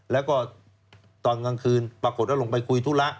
แล้วก็ตอนกลางคืนปรากฏว่าลงไปคุยธุระ